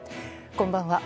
こんばんは。